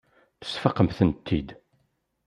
Tesfaqemt-tent-id.